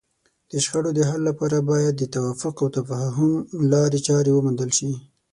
د شخړو د حل لپاره باید د توافق او تفاهم لارې چارې وموندل شي.